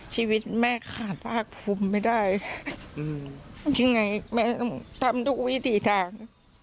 ชีวิตแม่ขาดภาคภูมิไม่ได้ทำยังไงแม่ต้องทำทุกวิถีทาง